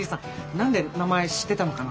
何で名前知ってたのかなと。